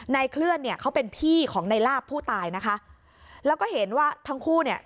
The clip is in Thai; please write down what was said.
เคลื่อนเนี่ยเขาเป็นพี่ของในลาบผู้ตายนะคะแล้วก็เห็นว่าทั้งคู่เนี่ย